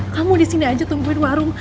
kamu disini aja tungguin warung